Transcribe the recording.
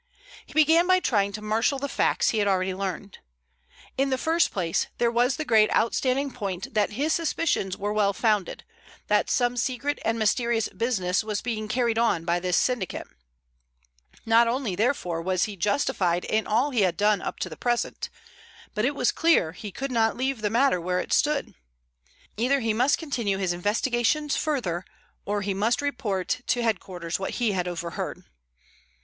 He began by trying to marshal the facts he had already learned. In the first place, there was the great outstanding point that his suspicions were well founded, that some secret and mysterious business was being carried on by this syndicate. Not only, therefore, was he justified in all he had done up to the present, but it was clear he could not leave the matter where it stood. Either he must continue his investigations further, or he must report to headquarters what he had overheard.